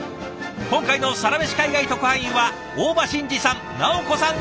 今回のサラメシ海外特派員は大場新志さん